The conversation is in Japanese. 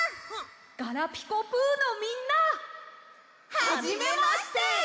「ガラピコぷ」のみんな！はじめまして！